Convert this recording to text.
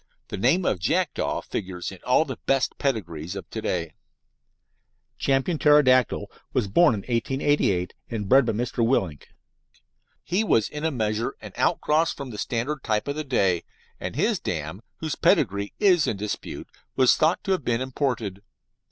The name of Jackdaw figures in all the best pedigrees of to day. Ch. Pterodactyl was born in 1888, and bred by Mr. Willink. He was in a measure an outcross from the standard type of the day, and his dam, whose pedigree is in dispute, was thought to have been imported.